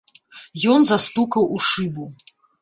Ён застукаў у шыбу.